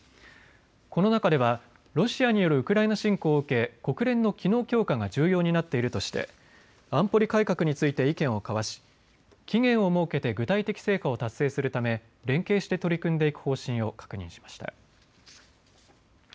この中ではロシアによるウクライナ侵攻を受け国連の機能強化が重要になっているとして安保理改革について意見を交わし期限を設けて具体的成果を達成するため連携して取り組んでいく方針を確認しました。